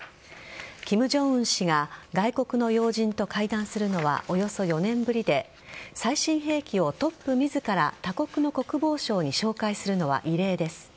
金正恩氏が外国の要人と会談するのはおよそ４年ぶりで最新兵器をトップ自ら他国の国防相に紹介するのは異例です。